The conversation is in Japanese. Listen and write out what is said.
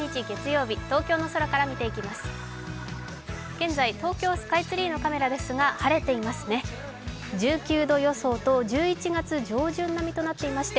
現在、東京スカイツリーのカメラですが、晴れていますね。